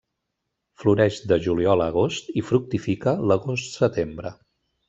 Floreix de juliol a agost i fructifica l'agost-setembre.